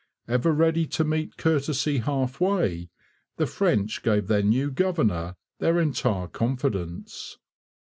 Ever ready to meet courtesy half way, the French gave their new governor their entire confidence.